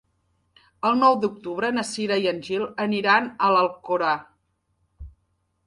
El nou d'octubre na Cira i en Gil aniran a l'Alcora.